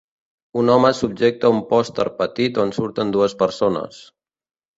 Un home subjecta un pòster petit on surten dues persones.